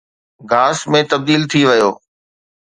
گھاس ۾ تبديل ٿي ويو.